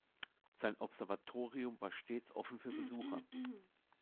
Sein Observatorium war stets offen für Besucher.